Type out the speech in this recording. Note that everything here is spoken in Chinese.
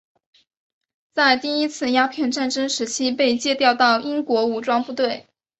在第一次鸦片战争时期被借调到英国武装部队。